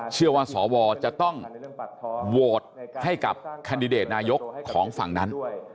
เชื่อว่าสวจะต้องโหวตให้กับแคนดิเดตนายกของฝั่งนั้น